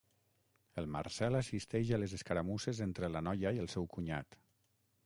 El Marcel assisteix a les escaramusses entre la noia i el seu cunyat.